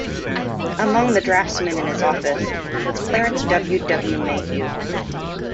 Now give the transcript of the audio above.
Among the draftsmen in his office was Clarence W. W. Mayhew.